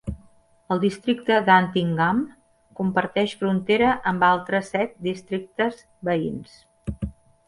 El districte d'Antingham comparteix frontera amb altres set districtes veïns.